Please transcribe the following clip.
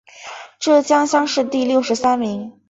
浙江乡试第六十三名。